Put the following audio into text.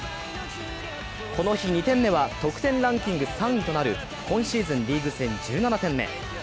この日２点目は得点ランキング３位となる今シーズンリーグ戦１７点目。